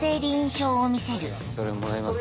それもらいます。